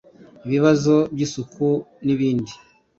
ibibazo by’isuku n’ibindi